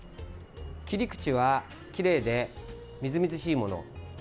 切り口は、きれいでみずみずしいもの。